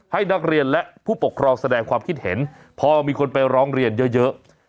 ให้นักเรียนและผู้ปกครองแสดงความคิดเห็นพอมีคนไปร้องเรียนเยอะ